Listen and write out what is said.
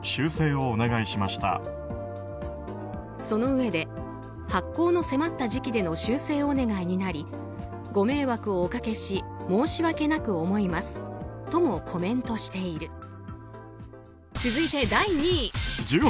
そのうえで、発行の迫った時期での修正お願いになりご迷惑をおかけし申し訳なく思いますともコメントしている。